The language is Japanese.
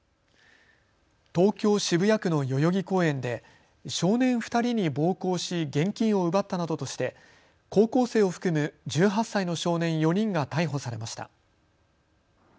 東京渋谷区の代々木公園で少年２人に暴行し現金を奪ったなどとして高校生を含む１８歳の少年４人が逮捕されました。